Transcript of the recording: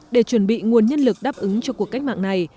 để chuẩn bị nguồn nhân lực đáp ứng cho cuộc cách mạng này